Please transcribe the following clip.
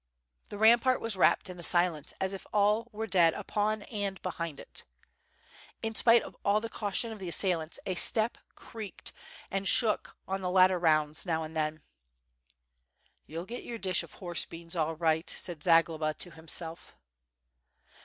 The rampart was wrapped in a silence as if all were dead upon and behind it. In spite of all the caution of the assailants, a step creaked and shook on the ladder rounds now and then. "You'll get your dish of horse beans all right," said Zagloba to himself.